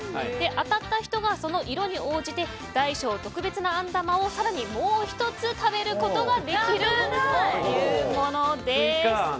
当たった人がその色に応じて大小、特別なあん玉を更にもう１つ食べることができるということです。